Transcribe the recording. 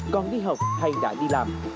con đi học hay đã đi làm